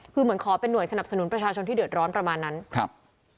คือเหมือนขอเป็นหน่วยสนับสนุนประชาชนที่เดือดร้อนประมาณนั้นครับ